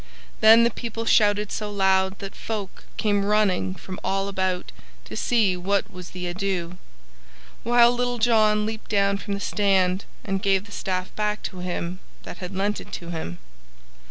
Then the people shouted so loud that folk came running from all about to see what was the ado; while Little John leaped down from the stand and gave the staff back to him that had lent it to him.